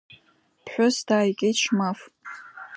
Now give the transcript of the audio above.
Ԥҳәыс дааигеит Шьмаф.